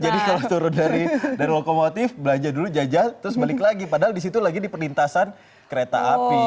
jadi kalau turun dari lokomotif belanja dulu jajan terus balik lagi padahal disitu lagi di penintasan kereta api